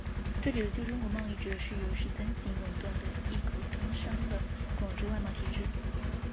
这里的旧中国贸易指的是由十三行垄断的一口通商的广州外贸体制。